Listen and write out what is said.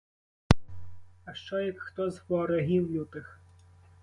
А що як хто з ворогів лютих?